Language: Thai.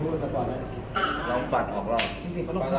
สุดท้ายก็ไม่มีเวลาที่จะรักกับที่อยู่ในภูมิหน้า